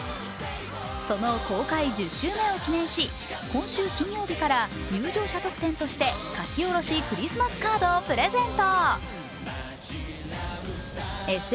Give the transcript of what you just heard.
その公開１０周目を記念し今週金曜日から入場者特典として描きおろしクリスマスカードをプレゼント。